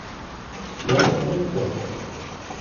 Я не чув цього.